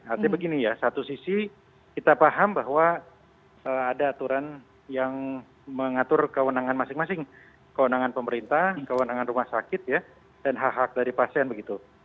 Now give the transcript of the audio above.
artinya begini ya satu sisi kita paham bahwa ada aturan yang mengatur kewenangan masing masing kewenangan pemerintah kewenangan rumah sakit ya dan hak hak dari pasien begitu